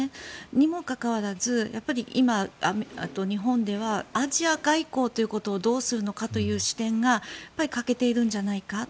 にもかかわらず、やっぱり今日本ではアジア外交ということをどうするのかという視点が欠けているんじゃないか。